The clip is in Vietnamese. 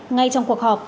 ngay trong cuộc họp